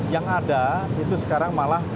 yang ada itu sekarang malah